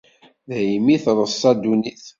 Daymi i treṣṣa ddunit.